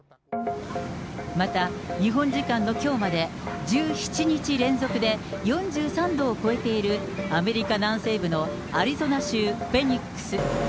また、日本時間のきょうまで１７日連続で４３度を超えているアメリカ南西部のアリゾナ州フェニックス。